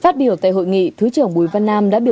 phát biểu tại hội nghị thứ trưởng bùi văn nam đã biểu